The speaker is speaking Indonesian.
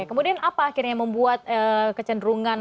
kemudian apa akhirnya yang membuat kecenderungan